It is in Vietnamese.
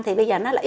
thì bây giờ nó là xo